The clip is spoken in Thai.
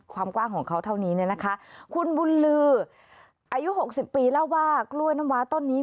ความกว้างของเขาเท่านี้เนี่ยนะคะคุณบุญลืออายุหกสิบปีเล่าว่ากล้วยน้ำว้าต้นนี้